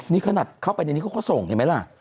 นี่ขนาดเข้าไปในนี้เขาก็ส่งเห็นไหมล่ะ